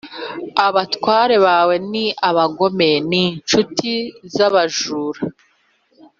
Abatware bawe ni abagome n’incuti z’abajura